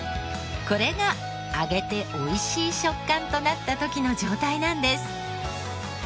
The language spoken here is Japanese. これが揚げておいしい食感となった時の状態なんです。